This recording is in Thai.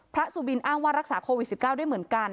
สุบินอ้างว่ารักษาโควิด๑๙ได้เหมือนกัน